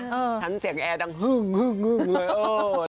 ฉันเสียงแอดังฮึ่งเลยเออ